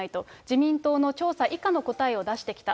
自民党の調査以下の答えを出してきた。